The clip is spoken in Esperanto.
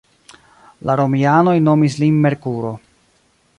La romianoj nomis lin Merkuro.